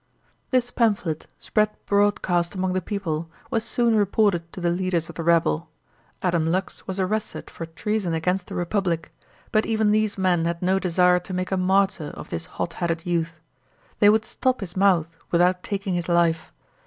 This pamphlet, spread broadcast among the people, was soon reported to the leaders of the rabble. Adam Lux was arrested for treason against the Republic; but even these men had no desire to make a martyr of this hot headed youth. They would stop his mouth without taking his life.